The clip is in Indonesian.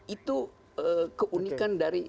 itu keunikan dari